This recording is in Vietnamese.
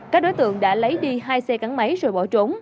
các đối tượng đã lấy đi hai xe gắn máy rồi bỏ trốn